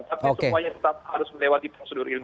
tapi semuanya harus melewati prosedur ilmiah